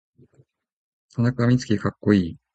田中洸希かっこいい